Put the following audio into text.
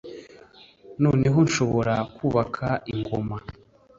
noneho nshobora kubaka ingoma